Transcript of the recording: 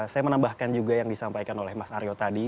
saya menambahkan juga yang disampaikan oleh mas aryo tadi